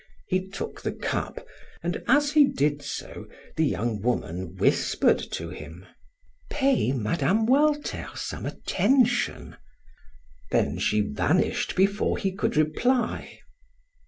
He took the cup, and as he did so, the young woman whispered to him: "Pay Mme. Walter some attention." Then she vanished before he could reply.